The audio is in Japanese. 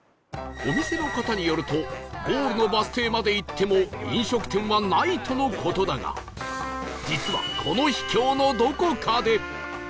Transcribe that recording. お店の方によるとゴールのバス停まで行っても飲食店はないとの事だが実は